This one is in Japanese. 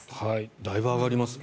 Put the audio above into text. だいぶ上がりますね。